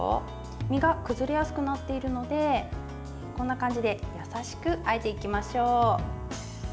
身が崩れやすくなっているのでこんな感じで優しくあえていきましょう。